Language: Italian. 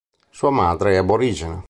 Sua madre è aborigena.